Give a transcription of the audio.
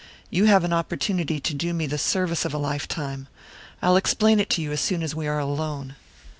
You have an opportunity to do me the service of a lifetime. I'll explain it to you as soon as we are alone."